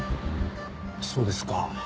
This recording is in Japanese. そうですか。